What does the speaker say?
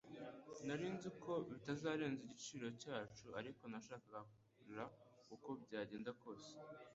Nari nzi ko bitarenze igiciro cyacu, ariko nashakaga kukigura uko byagenda kose.